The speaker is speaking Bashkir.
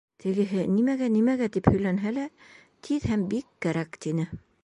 Тегеһе, нимәгә, нимәгә тип һөйләнһә лә, тиҙ һәм бик кәрәк, тине.